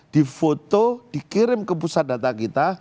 difoto dikirim ke pusat data kita